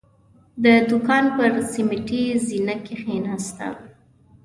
د دوکان پر سيميټي زينه کېناسته.